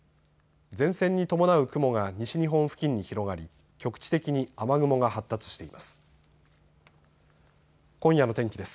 前線に伴う雲が西日本付近に広がり局地的に雨雲が発達しています。